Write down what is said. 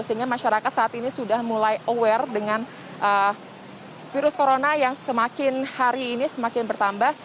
sehingga masyarakat saat ini sudah mulai aware dengan virus corona yang semakin hari ini semakin bertambah